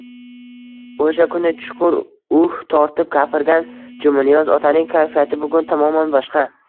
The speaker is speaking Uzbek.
O`sha kuni chuqur uh tortib gapirgan Jumaniyoz otaning kayfiyati bugun tamoman boshqa